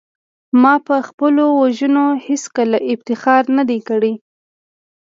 ما په خپلو وژنو هېڅکله افتخار نه دی کړی